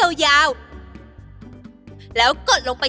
ดูสิคะว่าลูกกาวที่คุณแม่พระคุมใจ